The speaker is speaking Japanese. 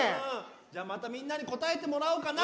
じゃあまたみんなにこたえてもらおうかな。